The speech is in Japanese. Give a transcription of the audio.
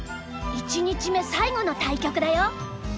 １日目最後の対局だよ。